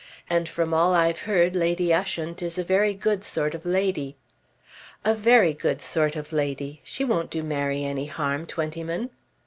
And from all I've heard Lady Ushant is a very good sort of lady." "A very good sort of lady. She won't do Mary any harm, Twentyman."